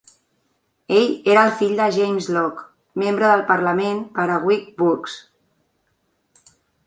Ell era el fill de James Loch, membre del parlament per a Wick Burghs.